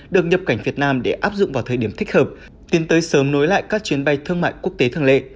được nhập cảnh việt nam để áp dụng vào thời điểm thích hợp tiến tới sớm nối lại các chuyến bay thương mại quốc tế thường lệ